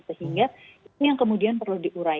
sehingga ini yang kemudian perlu diurai